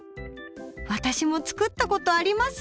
私も作ったことあります！